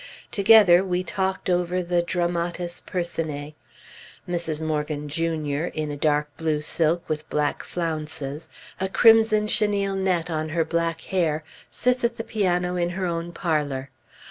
Together we talked over the dramatis personæ. Mrs. Morgan, Jr., in dark blue silk with black flounces, a crimson chenille net on her black hair, sits at the piano in her own parlor.